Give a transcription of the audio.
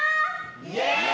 イエーイ！